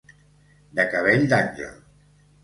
De cabell d'àngel.